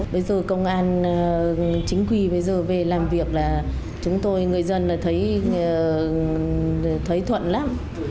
bây giờ công an chính quy về làm việc là chúng tôi người dân thấy thuận lắm